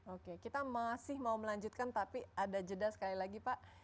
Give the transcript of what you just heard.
oke kita masih mau melanjutkan tapi ada jeda sekali lagi pak